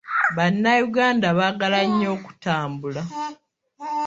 Bannayuganda baagala nnyo okutambula.